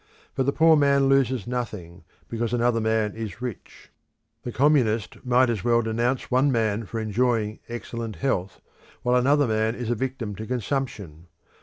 But the poor man loses nothing, because another man is rich. The Communist might as well denounce one man for enjoying excellent health, while another man is a victim to consumption.